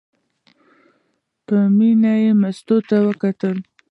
په مینه یې مستو ته وکتل.